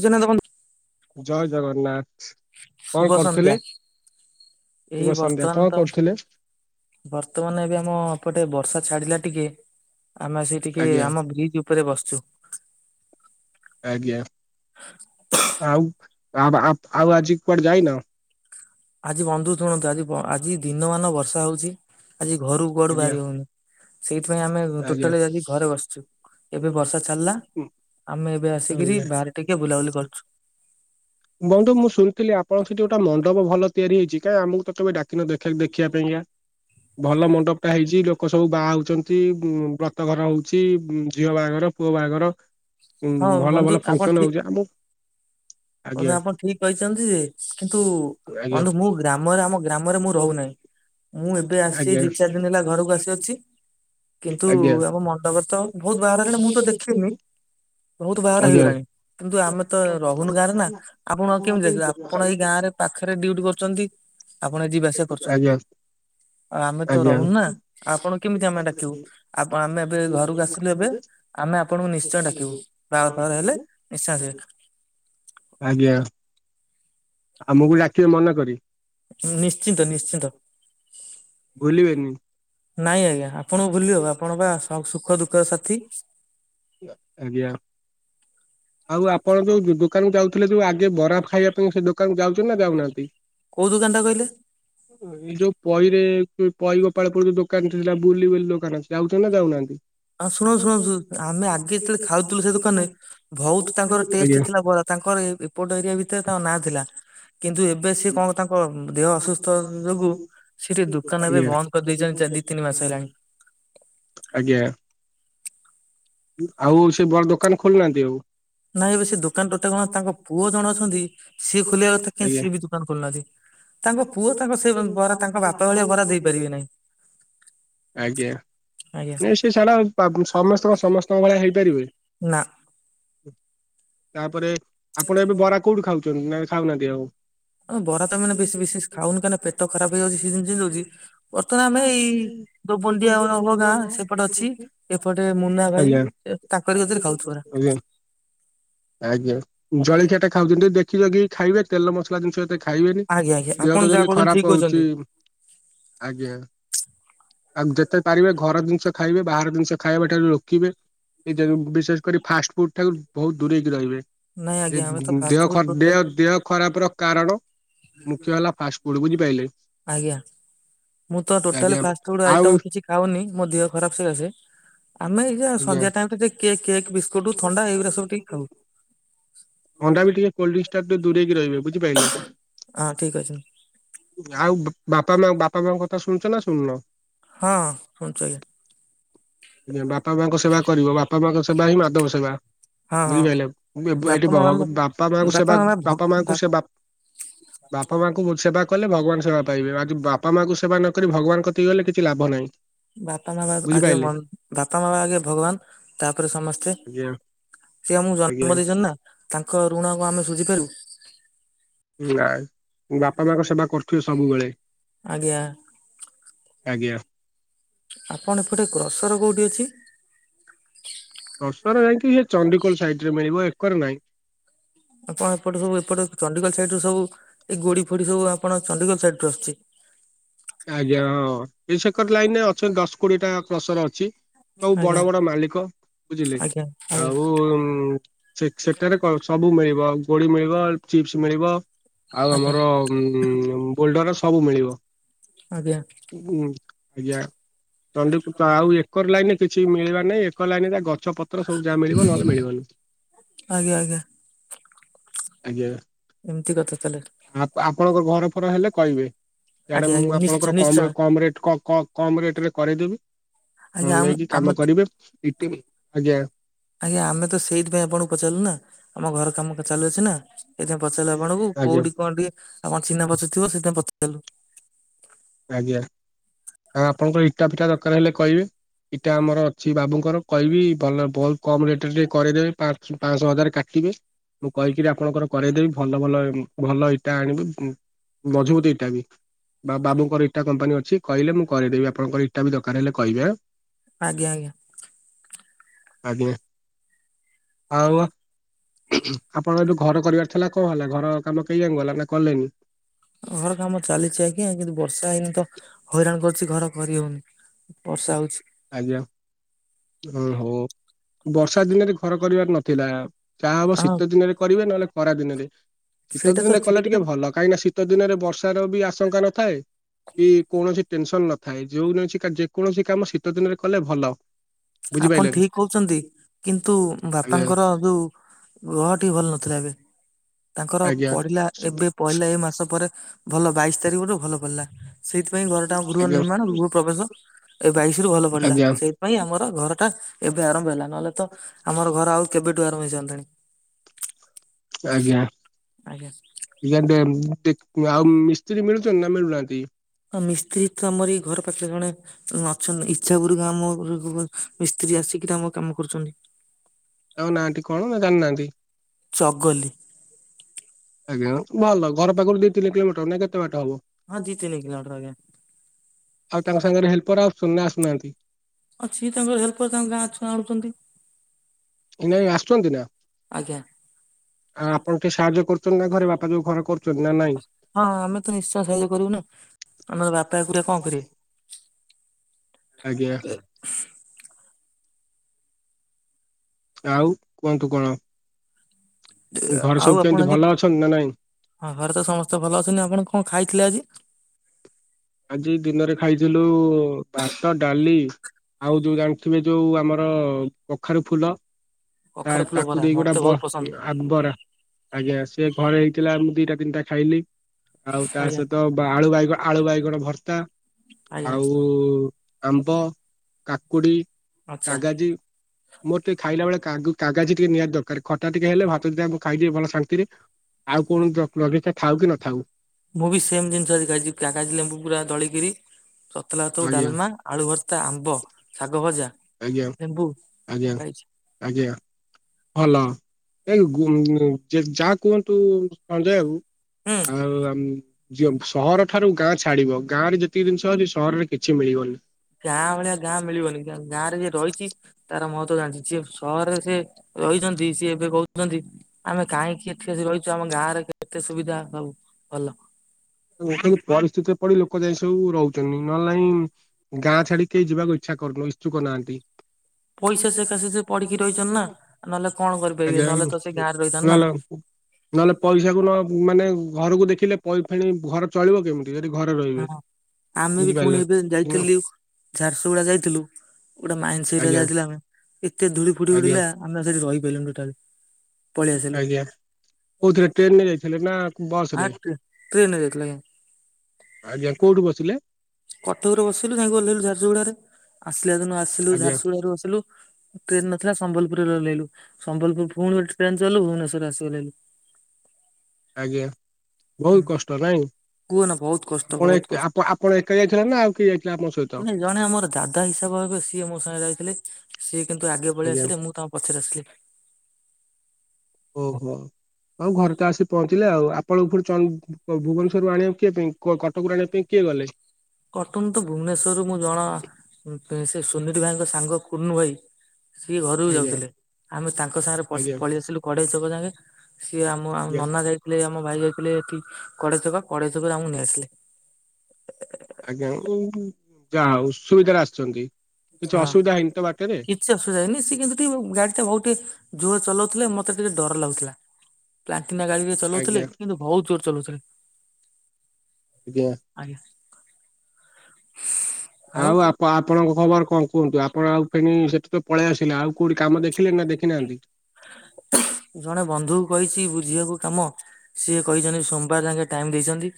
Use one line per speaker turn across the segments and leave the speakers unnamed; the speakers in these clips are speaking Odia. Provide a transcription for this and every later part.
ଏଛନ ତ [inaudible]
ଜୟ ଜଗନ୍ନାଥ କଣ
ଶୁଭ
କରୁଥିଲେ?
ସନ୍ଧ୍ୟା ଏଇ
ଶୁଭ ସନ୍ଧ୍ୟା
ବର୍ତ୍ତମାନ
କଣ
ତ
କରୁଥିଲେ?
ବର୍ତ୍ତମାନ ଏବେ ଆମ ଏପଟେ ବର୍ଷା ଛାଡିଲା ଟିକେ। ଆମେ ଆସି ଟିକେ
ଆଜ୍ଞା
ଆମ ବ୍ରିଜ ଉପରେ ବସିଛୁ।
ଆଜ୍ଞା ଆଉ କାଁ ମ୍ଭା ଆଉ ଆଜି କୁଆଡ଼େ ଯାଇନ?
ଆଜି ବନ୍ଧୁ ତୁଣନ୍ତା ଆଜି ଆଜି ଦିନମାନ ବର୍ଷା ହଉଛି ଆଜି ଘରୁ ଗଡୁ
ଆଜ୍ଞା
ବାହାରି ହଉନି। ସେଇଥିପାଇଁ ଆମେ
ଆଜ୍ଞା।
ଟୋଟାଲି ଆଜି ଘରେ ବସିଛୁ। ଏବେ ବର୍ଷା ଛାଡିଲା ଆମେ ଏବେ ଆସିକିରି ବାହାରେ ଟିକେ ବୁଲାବୁଲି କରୁଛୁ।
ବନ୍ଧୁ ମୁଁ ଶୁଣିଥିଲି ଆପଣଙ୍କ ସେଠି ଗୋଟା ମଣ୍ଡପ ଭଲ ତିଆରି ହେଇଛି କାହିଁ ଆମକୁ ତ କେବେ ଡାକିିନ ଦେଖ ଦେଖିବା ପାଇଁକା ଭଲ ମଣ୍ଡପ ତାହା ହେଇଛି ଲୋକ ସବୁ ବାହା ହଉଛନ୍ତି ଉ ବ୍ରତ ଘର ହଉଛି ଉ ଝିଅ ବାହାଘର ପୁଅ ବାହାଘର ହୁଁ
ହଁ
ଭଲ
ବନ୍ଧୁ
ଭଲ
ଆପଣ
ଫଙ୍କସନ
ଠିକ
ହଉଛି ଆମକୁ
ବନ୍ଧୁ
ଆଜ୍ଞା [unintelligible]
ଆପଣ ଠିକ
ନ୍ତୁ
କହିଛନ୍ତି ଯେ କିନ୍ତୁ
କିନ୍ତ
ବନ୍ଧୁ ମୁଁ ଗ୍ରାମରେ ଆମ ଗ୍ରାମରେ ମୁଁ ରହୁନାହିଁ ମୁଁ
ରହୁଁ
ଏବେ ଆସିଛି ଦି ଚାରି ଦିନ ହେଲା
ଆଜ୍ଞା
ଘରକୁ ଆସି ଅଛି। କିନ୍ତୁ
ଆଜ୍ଞା
ଆମ ମଣ୍ଡପ ତ ବହୁତ ବାହାରର ହେଲାଣି ମୁଁ ତ ଦେଖିନି। ବହୁତ ବାହାଘର
ଆଜ୍ଞା।
ହେଇଗଲାଣି କିନ୍ତୁ ଆମେ ତ ରହୁନୁ ଗାଁରେ ନା ଆପଣ କେମିତି ଦେଖିବେ ଆପଣ ଏଇ ଗାଁ ରେ ପାଖରେ ଡ୍ୟୁଟି କରୁଛନ୍ତି। ଆପଣ ଏ ଯିବା ଆସିବା କରୁଛନ୍ତି
ଆଜ୍ଞା
ଆ ଆମେ ତ
ଆଜ୍ଞା
ରହୁନୁନା। ଆଁ ଆପଣ କେମିତି ଆମେ ଡାକିବୁ ଆପ ଆମେ ଏବେ ଘରକୁ ଆସିଲୁ ଏବେ ଆମେ ଆପଣଙ୍କୁ ନିଶ୍ଚୟ ଡାକିବୁ ବାହା ଘର ଫାହାଘର ହେଲେ ନିଶ୍ଚୟ ଆସିବେ।
ଆଜ୍ଞା ଆମକୁ ଡାକିବେ ମନେ କରି।
ନିଶ୍ଚିନ୍ତ ନିଶ୍ଚିନ୍ତ ଭୁଲିବେନି ନାଇଁ ଆଜ୍ଞା ଆପଣଙ୍କୁ ଭୁଲି ହବ ଆପଣ ବା ସ ସୁଖ ଦୁଃଖ ସାଥି।
ୟିଆ ଆଜ୍ଞା। ଆଉ ଆପଣ ଯୋଉ ଦୋ ଦୋକାନକୁ ଯାଉଥିଲେ ଯୋଉ ଆଗେ ବରା ଖାଇବା ପାଇଁ ସେ ଦୋକାନକୁ ଯାଉଛନ୍ତି ନା ଯାଉନାହାନ୍ତି?
କୋଉ ଦୋକାନ ଟା
କଣ କହିଲେ? ଉ ଏଇ ଯୋଉ ପହିରେ କୁ ପହି ଗୋପାଳପୁର ଯଉ ଦୋକାନ ଥିଲା ବୁଲି ବୁଲି ଦୋକାନ ସେ ଆଉଥିବ ନା ଯାଉନାହାନ୍ତି?
ଅଁ ଶୁଣ ଶୁଣୁ ଶୁ ଆମେ ଆଗେ ଯେତେଳେ ଖାଉଥିଲୁ ସେ ଦୋକାନରେ ବହୁତ ତାଙ୍କର
ଆଜ୍ଞା
ଟେଷ୍ଟ ଥିଲା ବରା ତାଙ୍କର ଏ ଏପଟ ଏରିଆ ଭିତରେ ତାଙ୍କ ନାଁ ଥିଲା କିନ୍ତୁ ଏବେ ସେ କଅଣ ତାଙ୍କ ଅହ ଦେହ ଅସୁସ୍ଥ ଯୋଗୁ ସେ ଟିକେ ଦୋକାନ ଏବେ
ଆଜ୍ଞା
ବନ୍ଦ କରିଦେଇଛନ୍ତି ଚାରି ଦି ତିନି ମାସ ହେଲାଣି।
ଆଜ୍ଞା ଉଁ ଆଉ ସେ ବର ଦୋକାନ ଖୋଲୁନାହାନ୍ତି, ଆଉ
ନାଇଁ ଏବେ ସେ ଦୋକାନ ଟୋଟାଲ କଣ ତାଙ୍କ ପୁଅ ଜଣେ ଅଛନ୍ତି, ସିଏ ଖୋଲିବା କଥା କିନ୍ତୁ
ଆଜ୍ଞା
ସିଏ ବି ଦୋ କାନ ଖୋଲୁନାହାନ୍ତି, ତାଙ୍କ ପୁଅ ତାଙ୍କ ସେ ବରା ତାଙ୍କ ବାପା ଭଳିଆ ବରା ଦେଇ ପାରିବେ ନାହିଁ।
ଆଜ୍ଞା।
ଆଜ୍ଞା
ନାଇଁ ସେ ସାଲା ପା ସମସ୍ତଙ୍କ ସମସ୍ତଙ୍କ ଭଳିଆ ହେଇପାରିବ।
ନା।
ଉ ତାପରେ, ଆପଣ ଏବେ ବରା କଉଠି ଖାଉଛନ୍ତି? ନା ଖାଉନାହାନ୍ତି ଆଉ।
ଅ ବରା ତ ମାନେ ବେଶୀ ବିଶେଷ ଖାଉନୁ କାହିଁକି ନା ପେଟ ଖରାପ ହେଇଯାଉଛି, ସିଜିନ ଚେଞ୍ଜ ହଉଚି। ଅ
ହଁ ହୁଁ ହୁଁ
ହବ ଗାଁ ସେପଟେ ଅଛି
[unintelligible]
ଏପଟେ ମୁନା ଭାଇ ଏ ତାଙ୍କରି କତିରେ ଖାଉଛୁ ବରା।
[unintelligible] ଆଜ୍ଞା ଜଳଖିଆ ଟା ଖାଉଛନ୍ତି ଟିକେ ଦେଖିରଖି କି ଖାଇବେ, ତେଲ ମସଲା ଜିନିଷ ଏତେ ଖାଇବେନି,
ଆଜ୍ଞା ଆଜ୍ଞା
ଦେହ
ଆପଣ
ତ
ଯାହା
ଯେମିତି
କହୁଛନ୍ତି ଠିକ
ଖରାପ ହଉଛି,
କହୁଛନ୍ତି।
ଆଜ୍ଞା ଆଗ ଯେତେ ପାରିବେ ଘର ଜିନିଷ ଖାଇବେ, ବାହାର ଜିନିଷ ଖାଇବା ଠାରୁ ରୋକିବେ। ଏଇ ଯଉ ବିଶେଷ କରି ଫାଷ୍ଟ ଫୁଡ ଠାରୁ ବହୁତ ଦୂରେଇକି ରହିବେ।
ନାଇଁ ଆଜ୍ଞା ଆମେ
ଏଦ
ତ ଫାଷ୍ଟ
ଦେହ
ଫୁଡ
ଖର
ଟୋଟାଲ
ଦେହ ଦେହ ଖରାପ ର କାରଣ। ମୁଖ୍ୟ ହେଲା ଫାଷ୍ଟ ଫୁଡ ବୁଝି ପାଇଲେ।
ଆଜ୍ଞା, ମୁଁ ତ ଟୋଟାଲ
ଆଜ୍ଞା
ଫାଷ୍ଟ ଫୁଡ
ଆଉ
ଆଇଟମ କିଛି ଖାଉନି ମୋ ଦେହ ଖରାପ ସକାସେ ଆମେ ଏଇଖିଏଁ
ଆଜ୍ଞା
ସନ୍ଧ୍ୟା ଟାଇମରେ ଯାଇ କେ କେକ୍ ବିସ୍କୁଟୁ ଥଣ୍ଡା ଏଗୁରା ସବୁ ଟିକେ ଖାଉ।
ଅଣ୍ଡା ବି ଟିକେ କୋଲଡ୍ରିଙ୍କସ ଠାରୁ ଟିକେ ଦୁରେଇକି ରହିବେ, ବୁଝିପାଇଲେ।
ଆଁ, ଠିକ ଅଛି।
ଆଉ ବୁ ବାପା ମା ବାପା ମାଙ୍କ କଥା ଶୁଣଛ ନା ଶୁଣୁନ?
ହଁ, ଶୁଣୁଚୁ ଆଜ୍ଞା।
ବାପା ମାଙ୍କ ସେବା କରିବ, ବାପା ମାଙ୍କ ସେବା ହିଁ ମାଧବ ସେବା।
ହଁ ହଁ
ବୁଝିପାରିଲେ। ଏଠି
ବାପା ମା
ବାପା ମାଙ୍କୁ ସେ
ବାପା
ବା
ମା ଭ
ବାପା
ବା
ମାଙ୍କୁ ସେ ବାପ ବାପା ମାଙ୍କୁ ସେବା କଲେ ଭଗବାନ ସେବା ପାଇବେ, ଆଜି ବାପା ମାଙ୍କୁ ସେବା ନକରି ଭଗବାନ କତିକି ଗଲେ କିଛି ଲାଭ ନାହିଁ।
ବାପା ମା ଆଗେ
ବୁଝିପାରିଲେ
ବାପା ମା ଆଗେ ଭଗବାନ ତାପରେ ସମସ୍ତେ।
ଆଜ୍ଞା
ସି ସିଏ ଆମକୁ
ଆଜ୍ଞା।
ଜନ୍ମ ଦେଇଛନ୍ତି ନା ତାଙ୍କ ଋଣ କଣ ଆମେ ସୁୁଝି ପାରୁିବୁ।
ଆ ବାପା ମାଙ୍କ ସେବା କରୁଥିବେ ସବୁବେଳେ।
ଆଜ୍ଞା
ଆଜ୍ଞା।
ଆପଣଙ୍କପଟେ କ୍ରସର କୋଉଠି ଅଛି?
କ୍ରସର ଯାଇଁକି ଏ ଚଣ୍ଡିିଖୋଲ ସାଇଡ ରେ ମିଳିବ ଏକରେ ନାହିଁ।
ଆପଣ ଏପଟେ ସବୁ ଏପଟ ଚଣ୍ଡିଖୋଲ ସାଇଡ୍ ରୁ ସବୁ ଏଇ ଗୋଡି ଫୋଡି ସବୁ ଆପଣ ଚଣ୍ଡିଖୋଲ ସାଇଡ ରୁ ଆସୁଛି।
ଆଜ୍ଞା ହଁ, ଏ ସେକର ଲାଇନରେ ଅଛି ଦଶ କୋଡିଏ ଟା କ୍ରସର ଅଛି। ସବୁ
ଆଜ୍ଞା
ବଡ ବଡ ମାଲିକ ବୁଝିଲେ,
ଆଜ୍ଞା ଆଜ୍ଞା
ଆଉ ସେ ସେଠାରେ କଣ ସବୁ ମିଳିବ ଗୋଡି ମିଳିବ ଚିପ୍ସ ମିଳିବ ଆଉ
ଆଜ୍ଞା
ଆମର ହୁଁ ବୋଲଡର ସବୁ ମିଳିବ।
ଆଜ୍ଞା।
ହୁଁ ଆଜ୍ଞା। ଚଣ୍ଡି- ଆଉ ଏକର ଲାଇନ୍ ରେ କିଛି ମିଳିବ ନାହିଁ ଏକର ଲାଇନ ଗଛ ପତ ତ୍ର ସବୁ ଯାହା ମିଳିବ ନହେଲେ ମିଳିବନି,
ଆଜ୍ଞା ଆଜ୍ଞା
ଆଜ୍ଞା।
ଏମିତି କଥା ତାହାଲେ।
ଆ ଆପଣଙ୍କ ଘର ଫର ହେଲେ କହିବେ।
ଆଜ୍ଞା ଆଜ୍ଞା ନିଶ
ଙ୍କର କମରେ କମରେଟ କ କ କମରେଟରେ କରେଇଦେବି। ହଁ
ଆଜ୍ଞା ଆମ
ନେଇକି
ଆମେ
କାମ
ତ
କରିବେ, ଇଟି ଆଜ୍ଞା
ଆଜ୍ଞା, ଆମେ ତ ସେଇଥିପାଇଁ ଆପଣଙ୍କୁ ପଚାରିଲୁ ନା ଆମ ଘର କାମ ଚାଲୁଅଛି ନା। ଏଇଥିପାଇଁ ପଚାରିଲୁ ଆପଣଙ୍କୁ
ଆଜ୍ଞା
କୋଉଠି କଣ ଟିକେ ଆପଣ ଚିହ୍ନା ପରିଚିତ ଥିବ ସେଥିପାଇଁ ପଚାରିଲୁ।
ଆଜ୍ଞା, ଆଉ ଆପଣଙ୍କର ଇଟା ଫିଟା ଦରକାର ହେଲେ କହିବେ? ଇଟା ଆମର ଅଛି ବାବୁଙ୍କର କହିବି ଭଲ ବହୁତ କମ ରେଟ ରେ କରେଇଦେବେ ପା ପାଞ୍ଚଶହ ହଜାର କାଟିବେ। ମୁଁ କହିକିରି ଆପଣଙ୍କର କଇଦେବି ଭଲ ଭଲ ଭଲ ଇଟା ଆଣିବେ ମଝ ବୁତ୍ ଇଟା ବି ବା ବାବୁ ଇଟା କମ୍ପାନୀ ଅ କହିଲେ ମୁଁ କରଦବିପଣଙ୍କର ଇଟା ବି ଦରକାର ହେଲେ କହିବେ।
ଆଜ୍ଞା ଆଜ୍ଞା।
ଆଜ୍ଞା। ଆଉ ଆପଣ ଏ ଯୋଉ ଘର କରିବାର ଥିଲା କଣ ହେଲା ଘର କାମ କେହି ଜାକ ଗଲା ନା କଲେନି?
ଘର କାମ ଚାଲିଛି ଆଜ୍ଞା କିନ୍ତୁ ବର୍ଷା ହେଇନି ତ ହଇରାଣ କରୁଛି ଘର କରିହଉନି। ବର୍ଷା ହଉଛି।
ଆଜ୍ଞା, ଓ ହଉ ବର୍ଷା ଦିନରେ ଘର କରିବାର ନଥିଲା। ଯାହା ହବ
ହଁ
ଶୀତ ଦିନରେ କରିବେ ନହେଲେ ଖରା ଦିନରେ। ଶୀତ
ସେଇଟା ତ
ଦିନରେ କଲେ
ଠିକ
ଟିକେ
ନା
ଭଲ କାହିଁକି ଶୀତ ଶୀତ ଦିନରେ ବର୍ଷାର ବି ଆଶଙ୍କା ନଥାଏ କି କୌଣସି ଟେନସନ ନଥାଏ ଯୋଉ ଯେକୌଣସି କାମ ଶୀତ ଦିନରେ କଲେ ଭଲ।
ଆପଣ
ବୁଝିପାରିଲେ ନା?
ଠିକ୍ କହୁଛନ୍ତି କିନ୍ତୁ
ଆଜ୍ଞା
ବାପାଙ୍କର କି ଯୋଉ ଦେହ ଟିକେ ଭଲ ନଥିଲା ଏବେ। ତାଙ୍କର
ଆଜ୍ଞା
ପଢିଲା ଏବେ ପହିଲା ଏଇ ମାସ ପରେ ଭଲ ବାଇଶି ତାରିଖରୁୁ ଭଲ ପଡିଲା। ସେଇଥିପାଇଁ ଘରଟା ଆମ ଗୃହ
ଆଜ୍ଞା
ନିର୍ମାଣ ଗୃହ ପ୍ରବେଶ ଏ ବାଇସି ରୁ ଭଲ ପଡିଲା
ଆଜ୍ଞା
ସେଇଥିପାଇଁ ଆମର ଘର ଟା ଏବେ ଆରମ୍ଭ ହେଲା। ନହେଲେ ତ ଆମର ଘର ଆଉ କେବେଠୁ ଆରମ୍ ହେଇ ସାରନ୍ତାଣି।
[unintelligible] ଆଜ୍ଞା
ଆଜ୍ଞା।
ଜ୍ଞା ବେମ୍ ଟିକ୍ ଆଉ ମିସ୍ତ୍ରୀ ମିଳୁ ଚନ୍ତି ନା ମିଳୁନାହାନ୍ତି।
ଆ ମିସ୍ତ୍ରୀ ତମରି ଘର ପାଖ୍ରେ ଜଣେ। ଅଛନ୍ତି ଇଚ୍ଛା ପୂର୍କ ଆମ ଉପୁରୁକୁ ମିସ୍ତ୍ରୀ ଆସିକିରି ଆମ କାମ କର୍ଚନ୍ତି।
ଆଉ ନାହାନ୍ତି କଣ ନା ଜାଣିନାହାନ୍ତି।
ଚଗଲି
ଆଜ୍ଞା ଭଲ ଘର ପାଖରୁ ଦି ତିନି କିଲୋମିଟର ନା କେତେ ବାଟ ହବ।
ହଁ ଜିତିନି କିଲମିଟର ଆଜ୍ଞା।
ଆଉ ତାଙ୍କ ସାଙ୍ଗରେ ହେଲ୍ପର ଆସୁଚନ୍ତି ନା ଆସୁନାହାନ୍ତି।
ଅଛି ତାଙ୍କର ହେଲ୍ପର ତାଙ୍କ ଗାଁ ଛୁଆ ଆଣୁଛନ୍ତି।
ଏଇନା ଆସୁଛନ୍ତି ନା।
ଆଜ୍ଞା।
ଆ ଆପଣ ଟିକେ ସାହାଯ୍ୟ କରୁଛନ୍ତି ନା ଘରେ ବାପା ଯୋଉ ଘରେ କରୁଚନ୍ତି ନା ନାଇଁ।
ହଁ ଆମେ ତ ନିଶ୍ଚୟ ସାହାଯ୍ୟ କରିବୁ ନା ଆମ ବାପା ଏକୁଟିଆ କଣ କରିବେ।
ଆଜ୍ଞା। ଆଉ କୁହନ୍ତୁ କଣ। ଘରେ
ଆଉ
ସବୁ
ଆପଣ
କେମିତି
ଆଜି
ଭଲ ଅଛନ୍ତି ନା ନାଇଁ?
ହଁ ଘରେ ତ ସମସ୍ତେ ଭଲ ଅଛନ୍ତି ଆପଣ କଁ ଖାଇଥିଲେ ଆଜି।
ଆଜି ଦିନରେ ଖାଇଥିଲୁ ବାସ ଡାଲି। ଆଉ ଯୋଉ ଜାଣିଥିବେ ଯୋଉ ଆମର କଖାରୁ ଫୁଲ। ତା
କଖାରୁ ଫୁଲ
ତାକୁ
ବରା
ଦେଇକି ଗୋଟେ
ମତେ
ବ
ବହୁତ ପସନ୍ଦ
ଆକ୍ବରା ଆଜ୍ଞା ସିଏ ଘରେ ହେଇଥିଲା ମୁଁ ଦିଟା ତିନିଟା ଖାଇଲି। ଆଉ ତା
ଆଜ୍ଞା
ସହିତ ବାଳୁ ବାଇଗଣ ଆଳୁ ବାଇଗଣ ଭର୍ତ୍ତା
ଆଜ୍ଞା
ଆଉ ଆମ୍ବ କାକୁଡ଼ି
ଆଚ୍ଛା।
କାଗାଜି। ମୋର ଟିକେ ଖାଇଲା ବେଳେ କାଗଜ୍ କାଗାଜି ଟିକେ ନିଆତି ଦରକାର ଖଟା ଟିକେ ହେଲେ ଭାତ ଦିଟା ଖାଇଦିଏ ଭଲ ଶାନ୍ତିରେ ଆଉ କୌଣ ଲଗିଚା ଥାଉ କି ନଥାଉ।
ମୁଁ ବି ସେମ ଜିନିଷ ଆଛି ଖାଇଛି କାଗାଜି ଲେମ୍ବୁ ପୁରା ଦଳିକିରି ତତଲା ଭାତ କୁ
ଆଜ୍ଞା
ଡାଲମା। ଆଳୁ ଭର୍ତ୍ତା ଆମ୍ବ ଶାଗ ଭଜା।
ଆଜ୍ଞା
ଲେମ୍ବୁ
ଆଜ୍ଞା
ଖାଇଛି
ଆଜ୍ଞା। ଭଲ ଏଇ ଯାହା କୁହନ୍ତୁ ସଞ୍ଜୟ ବାବୁ।
ହୁଁ।
ଆଉ ସହର ଠାରୁ ଗାଁ ଛାଡିବ ଗାଁ ରେ ଯେତିକି ଜିନିଷ ଅଛି ସହରରେ କିଛି ମିଳିବନି।
ଗାଁ ଭଳିଆ ଗାଁ ମିଳିବନି ଗାଁରେ ଯିଏ ରହିଚି। ତାର ମହତ୍ଵ ଜାଣିଛି ସିଏ ସହରରେ ସିଏ ରହିଛନ୍ତି ସିଏ ଏବେ କହୁଚନ୍ତି ଆମେ କାହିଁକି ଏଠି ଆସି ରହିଛୁ ଆମ ଗାଁ ରେ କେତେ ସୁବିଧା ସବୁ ଭଲ।
ଗୋଟେ ପରିସ୍ଥିତିରେ ପଡି ଲୋକ ଯାଇ ସବୁ ରହୁଛନ୍ତି ନହେଲେଲାଇଁ ଗାଁ ଛାଡି କେହି ଯିବାକୁ ଇଚ୍ଛା କରୁନ୍ ଇଛୁକ ନାହାନ୍ତି। [unintelligible]
ପଇସା ସକାଶେ ସେ ପଢିକି ରହିଛନ୍ତି ନା ନହେଲେ କଣ କରିପାରିବେ ନହେଲେ ତ ସେ ଗାଁରେ ରହିଥାନ୍ତେ ନା।
ନହେଲେ ପଇସାକୁ ନ ମାନେ ଘରକୁ ଦେଖିଲେ ପଇ ଫେଣି ଘର ଚଳିବ କେମିତି। [unintelligible]
ହଁ ଆମେ ବି ପୁଣି
ବୁଝିପାରିଲେ
ଏବେ
ହୁଁ,
ଯାଇଥିଲୁ ଝାରସୁଗୁଡା ଯାଇଥିଲୁ। ଗୋଟେ
ଆଜ୍ଞା
[unintelligible] ଯାଇଥିଲା ଆମେ ଏତେ ଧୂଳି ଫୁଡି
ଆଜ୍ଞା
ଉଡ଼ିଲା ଆମେ ସେଠି ରହିପାରିଲୁନି ଟୋଟାଲ୍।
ଆଜ୍ଞା କୋଉଥିରେ ଟ୍ରେନ ରେ ଯାଇଥିଲେ ନା
ଆ
ବସ ରେ।
ଟ୍ରେନରେ ଯାଇଥିଲୁ ଆଜ୍ଞା
ଆଜ୍ଞା କୋଉଠୁ ବସିଲେ।
କଟକରେ ବସିଲୁ ଯାଇକି ଓଲ୍ହେଇଲୁ ଝାଡସୁଗୁଡାରେ ଆସିଲା ଦିନ ଆସିଲୁ
ଆଜ୍ଞା
ଝାରସୁଗୁଡ଼ା ରୁ ଆସିଲୁ ଟ୍ରେନ ନଥିଲା ସମ୍ବଲପୁରରେ ଓଲ୍ହେଇଲୁ ସମ୍ବଲପୁର ପୁଣି ଗୋଟେ ଟ୍ରେନ ଚଡ଼ିଲୁ ଭୁବନେଶ୍ୱର ରେ ଆସି ଓଲ୍ହେଇଲୁ।
ଆଜ୍ଞା ବୋହୁତ କଷ୍ଟ ନାଇଁ
କୁହନା ବହୁତ କଷ୍ଟ
ଆପଣ
ବହୁତ
ଏକା
କଷ୍ଟ।
ଆପ ପ ଣ ଏକା ଯାଇଥିଲେ ନା ଆଉ କିଏ ଯାଇଥିଲା ଆପଣ ସହି
ନାଇଁ ଜଣେ ଆମର ଦାଦା ହିସାବ ହେବେ ସିଏ ମୋ ସାଙ୍ଗେ ଯାଇଥିଲେ ସିଏ କିନ୍ତୁ ଆଗେ ପଳେଇ
ଆଜ୍ଞା।
ଆସିଲେ ମୁ ତାଙ୍କ ପଛରେ ଆସିଲେ।
ଓହୋ ହଉ ଘର ତ ଆସି ପହଞ୍ଚିଲେ ଆଉ ଆପଣଙ୍କୁ ଚ ଭୁବନେଶ୍ୱରରୁୁ ଆଣିବା କେ ପାଇଁ କୁହ କଟକରୁ ଆଣିବା ପାଇଁ କିଏ ଗଲେ?
କଟନ ତ ଭୁବନେଶ୍ୱରରୁୁ ମୁଁ ଜଣ ସେ ସୁମିତ ଭାଇଙ୍କ ସାଙ୍ଗ କୁନୁ ଭାଇ ସିଏ ଘରକୁ
ଆଜ୍ଞା
ଯାଉଥିଲେ ଆମେ ତାଙ୍କ ସାଙ୍ଗରେ
ଆଜ୍ଞା
ପଳେଇ ଆସିଲୁ କଡେଇ ଛକ ଯାଙ୍ଗେ ସିଏ ଆମ ମୁଁ ଆଉ
ଆଜ୍ଞା
ନନା ଯାଇ ଥିଲେ ଆମ ଭାଇ ଯାଇଥିଲେ ଏଠି କଡେଇ ଛକ କଡେଇ ଛକ ରୁ ଆମକୁ ନେଇଆସିଲେ।
ଆଜ୍ଞା ଯାଉ ସୁବିଧାରେ ଆସିଛନ୍ତି କିଛି
ହଁ
ଅସୁବିଧା ହେଇନି ତ ବାଟରେ?
କିଛି ଅସୁବିଧା ହେଇନି ସିଏ କିନ୍ତୁ ଟିକେ ଗାଡି ଟା ବହୁ ଟିକେ ଜୋର ଚଲାଉଥିଲେ ମତେ ଟିକେ ଡର ଲାଗୁଥିଲା। ପ୍ଲାଟିନା ଗାଡିରେ ଚଲାଉଥିଲେ
ଆଜ୍ଞା
କିନ୍ତୁ ବହୁତ ଜୋର ଚଲାଉଥିଲେ
ଦି ୟା।
ଆଜ୍ଞା।
ଆଉ ଆପ ଆପଣଙ୍କ ଖବର କଣ କୁହନ୍ତୁ ଆପଣ ଆଉ ଫେଣି ସେଠେ ତ ପଳେଇ ଆସିଲେ ଆଉ କୋଉଠି କାମ ଦେଖିଲେ ନା ଦେଖିନାହାନ୍ତି।
ଜଣେ ବନ୍ଧୁକୁ କହିଛି ବୁଝିବାକୁ କାମ। ସିଏ କହିଛନ୍ତି ସୋମବାର ଯାଙ୍କେ ଟାଇମ ଦେଇଛନ୍ତି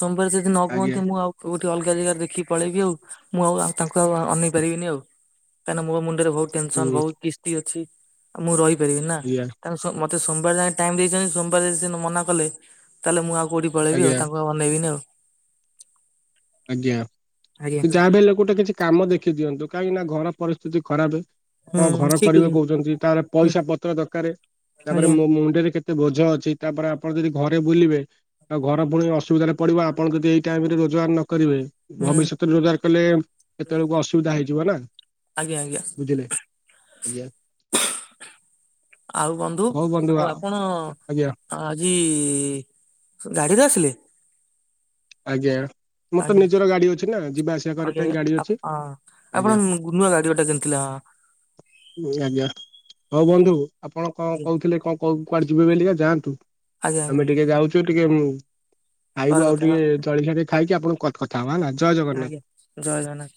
ସୋମବାର ଯଦି ନ
ଆଜ୍ଞା
କୁହନ୍ତି ମୁଁ ଆଉ କୋଉଠି ଅଲଗା ଜାଗାରେ ଦେଖି ପଳେଇବି ଆଉ ମୁଁ ଆଉ ତାଙ୍କୁ ଆଉ ଅନେଇ ପାରିବିନି ଆଉ। କାହିଁକିନା ମୋ ମୁଣ୍ଡରେ ବହୁତ
ହୁଁ
ଟେନସନ ବହୁତ କିସ୍ତି ଅଛି ଆଉ ମୁଁ ରହିପାରିବି ନା।
ଆଜ୍ଞା
ତାଙ୍କୁ ମତେ ସୋମବାର ଯାକେ ଟାଇମ ଦେଇଛନ୍ତି ସୋମବାର ଯଦି ମନା କଲେ ତାହେଲେ ମୁଁ ଆଉ କୋଉଠି ପଳେଇବି
ଆଜ୍ଞା
ଆଉ ତାଙ୍କୁ ଆ ଅନେଇବିନି ଆଉ।
ଆଜ୍ଞା
ଆଜ୍ଞା
ଯାହାବି ହେଲେ ଗୋଟେ କିଛି କାମ ଦେଖି ଦିଅନ୍ତୁ କାହିଁକି ନା ଘର ପରିସ୍ଥିତି ଖରାପ।
ହୁଁ
କଣ ଘର
ଠିକ
କରିବ
ଅଛି।
କହୁଛନ୍ତି ତାପରେ
ହୁଁ
ପଇସା ପତ୍ର ଦରକାର ତାପରେ
ଆଜ୍ଞା
ମୋ ମୁଣ୍ଡରେ କେ କେତେ ବୋଝ ଅଛି ତାପରେ ଆପଣ ଯଦି ଘରେ ବୁଲିବେ ଆଉ ଘର ପୁଣି ଅସୁବିଧାରେ ପଡ଼ିବ ଆପଣ ଯଦି ଏଇ ଟାଇମ ରେ ରୋଜଗାର ନ କରିବେ
ହୁଁ
ଭବିଷ୍ୟତରେ ରୋଜଗାର କଲେ ସେତେବେଳକୁ ଅସୁବିଧା ହେଇଯିବ ନା।
ଆଜ୍ଞା ଆଜ୍ଞା
ବୁଝିଲେ ଆଜ୍ଞା।
ଆଉ ବନ୍ଧୁ
ହଉ
ଆଉ
ଆ
ଆପଣ
ଆଜ୍ଞା
ଆଜି ଗାଡିରେ ଆସିଲେ?
ଆଜ୍ଞା। ମୋର ତ
ଆଜ୍ଞା।
ନିଜର ଗାଡି ଅଛି ନା ଯିବା ଆସିବା କରିବା
ଆଜ୍ଞା
ପାଇଁ
ଆଜ୍ଞା
ଗାଡି
ଆପ
ଅଛି
ହଁ ଆପଣ
ଆଜ୍ଞା।
ନୂଆ ଗାଡି ଗୋଟେ କିଣିଥିଲେ ହଁ
ଆଜ୍ଞା। ହଉ ବନ୍ଧୁ ଆପଣ କଣ କହୁଥିଲେ କଣ କ କୁଆଡେ ଯିବେ ବୋଲିବା ଯାଆନ୍ତୁ।
ଆଜ୍ଞା ଆଜ୍ଞା
ଆମେ
ଆଜ୍ଞା
ଟିକେ ଯାଉଛୁ ଟିକେ
ପରେ
ଖାଇବୁ ଆଉ
କଥା ହବା
ଟିକେ ଜଳିଖିଆ ଖାଇକି ଆପଣ କ କଥା ହେବା ହେଲା ଜୟ ଜଗନ୍ନାଥ।
ଆଜ୍ଞା ଜୟ ଜଗନ୍ନାଥ।